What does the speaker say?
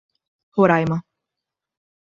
Roraima